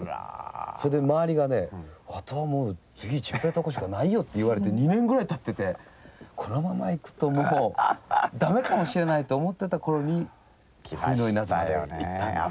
それで周りがね、あとはもう、チンペイのとこしかないよって言われて、２年ぐらいたってて、このままいくともう、だめかもしれないと思ってたころに、冬の稲妻でいったんですよ。